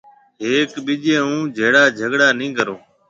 هيَڪيَ ٻِيجي هون جھيَََڙا جھگھڙا نِي ڪرو۔